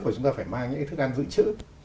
và chúng ta phải mang những cái thức ăn dự trữ